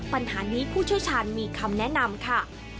ปัญหานี้ผู้เชี่ยวชาญมีคำแนะนำค่ะ